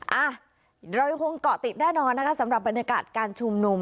เราคงเกาะติดแน่นอนสำหรับบรรยากาศการชุมนุม